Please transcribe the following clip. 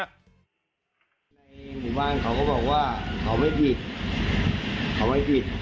ในหมู่บ้านเขาก็บอกว่าเขาไม่ผิดเขาไม่ผิด